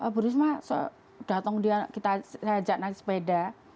bu risma datang kita ajak naik sepeda